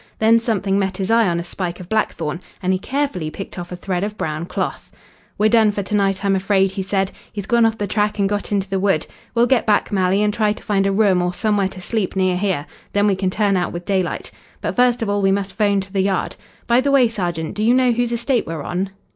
Then something met his eye on a spike of blackthorn, and he carefully picked off a thread of brown cloth. "We're done for to night, I'm afraid," he said. "He's gone off the track and got into the wood. We'll get back, Malley, and try to find a room or somewhere to sleep near here. Then we can turn out with daylight. But first of all we must 'phone to the Yard. By the way, sergeant, do you know whose estate we're on?"